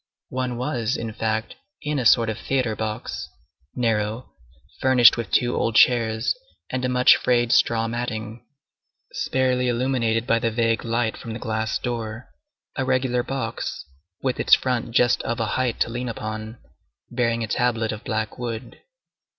One was, in fact, in a sort of theatre box, narrow, furnished with two old chairs, and a much frayed straw matting, sparely illuminated by the vague light from the glass door; a regular box, with its front just of a height to lean upon, bearing a tablet of black wood.